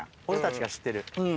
俺たちが知ってる。